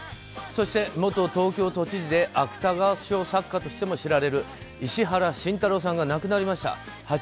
そして、元東京都知事で芥川賞作家としても知られる石原慎太郎さんが亡くなりました。